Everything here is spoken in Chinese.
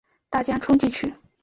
大家冲进去